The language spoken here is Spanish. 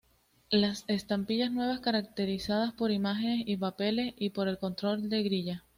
Las estampillas nuevas caracterizadas por imágenes y papeles, y por el control de grilla.